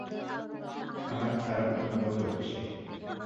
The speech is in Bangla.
আমার খারাপ অনুভব হচ্ছে।